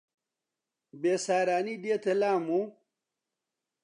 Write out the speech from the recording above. بێسارانی دێتە لام و